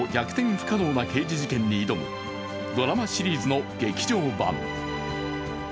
不可能な刑事事件に挑むドラマシリーズの劇場版。